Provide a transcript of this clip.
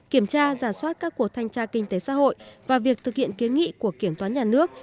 kiểm tra giả soát các cuộc thanh tra kinh tế xã hội và việc thực hiện kiến nghị của kiểm toán nhà nước